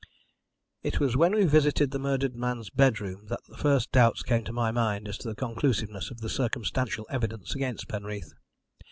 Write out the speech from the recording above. "It was when we visited the murdered man's bedroom that the first doubts came to my mind as to the conclusiveness of the circumstantial evidence against Penreath.